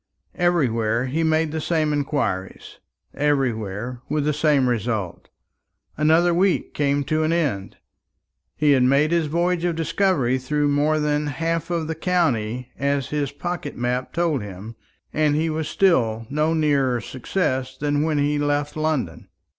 Everywhere he made the same inquiries, everywhere with the same result. Another week came to an end. He had made his voyage of discovery through more than half of the county, as his pocket map told him, and was still no nearer success than when he left London.